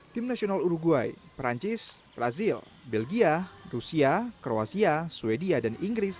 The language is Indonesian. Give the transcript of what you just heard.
tim nasional uruguay perancis brazil belgia rusia kroasia sweden dan inggris